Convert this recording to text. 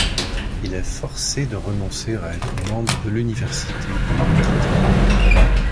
Il est forcé de renoncer à être membre de l'université et de quitter.